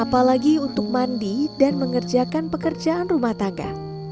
apalagi untuk mandi dan mengerjakan pekerjaan rumah tangga